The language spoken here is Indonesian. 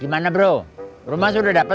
dimana bro rumah sudah di dapat